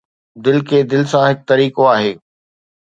دل کي دل سان هڪ طريقو آهي